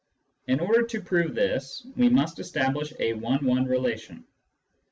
In order to prove this, we must establish a one one relation.